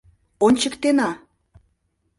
— Ончыктена!